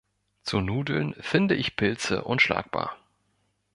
Zu Nudeln finde ich Pilze unschlagbar.